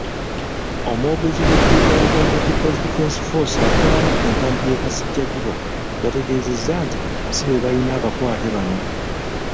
Omwogezi w'eggye lya Uganda People's Defence Force atwala enkambi y'e Kasijjagirwa, yategeezezza nti sibebalina abakwate bano.